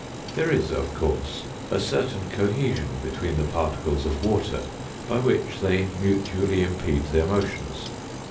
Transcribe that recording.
There is, of course, a certain cohesion between the particles of water by which they mutually impede their motions.